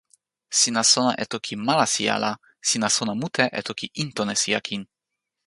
sina sona e toki Malasija la sina sona mute e toki Intonesija kin.